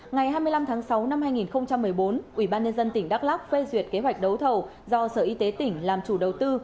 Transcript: ngày hai mươi năm tháng sáu năm hai nghìn một mươi bốn ubnd tỉnh đắk lóc phê duyệt kế hoạch đấu thầu do sở y tế tỉnh làm chủ đầu tư